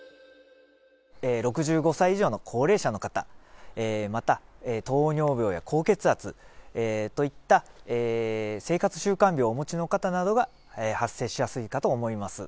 ６５歳以上の高齢者の方、また、糖尿病や高血圧といった生活習慣病をお持ちの方などが発生しやすいかと思います。